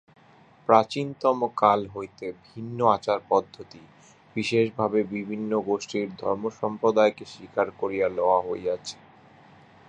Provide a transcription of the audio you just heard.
প্রাচীনতম কাল হইতে ভিন্ন আচার-পদ্ধতি, বিশেষভাবে বিভিন্ন গোষ্ঠীর ধর্মসম্প্রদায়কে স্বীকার করিয়া লওয়া হইয়াছে।